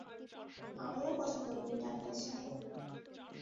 আমিও পছন্দ করি, ডাক্তার সাহেব।